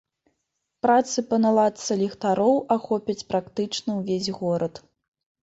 Працы па наладцы ліхтароў ахопяць практычна ўвесь горад.